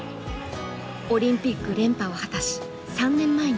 オリンピック連覇を果たし３年前に引退。